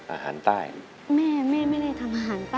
อาหารใต้แม่ไม่ได้ทำอาหารใต้ครับ